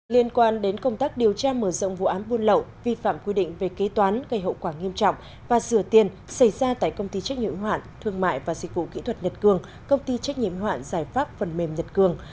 liên quan đến công tác điều tra mở rộng vụ án buôn lậu vi phạm quy định về kế toán gây hậu quả nghiêm trọng và rửa tiền xảy ra tại công ty trách nhiệm hoạn thương mại và dịch vụ kỹ thuật nhật cường công ty trách nhiệm hoạn giải pháp phần mềm nhật cường